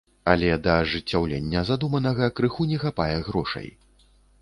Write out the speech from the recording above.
Але да ажыццяўлення задуманага крыху не хапае грошай.